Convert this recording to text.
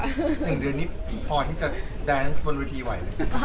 ๑เดือนนี้พอที่จะแดนซ์บนวิธีไหวไหม